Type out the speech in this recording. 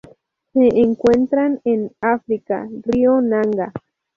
Se encuentran en África: río Nanga.